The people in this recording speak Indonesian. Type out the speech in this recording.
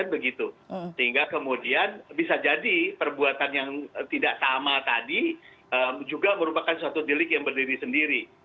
sehingga kemudian bisa jadi perbuatan yang tidak sama tadi juga merupakan suatu delik yang berdiri sendiri